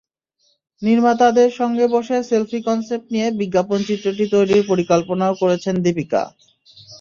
নির্মাতাদের সঙ্গে বসে সেলফি কনসেপ্ট নিয়ে বিজ্ঞাপনচিত্রটি তৈরির পরিকল্পনাও করেছেন দীপিকা।